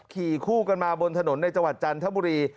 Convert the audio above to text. ขี่คู่กันมาบนถนนในจังหวัดจันทบุรี